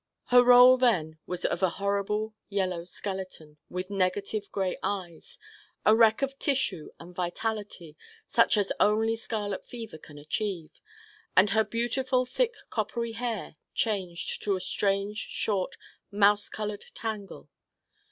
Her rôle then was of a horrible yellow skeleton with negative gray eyes, a wreck of tissue and vitality such as only scarlet fever can achieve, and her beautiful thick coppery hair changed to a strange short mouse colored tangle.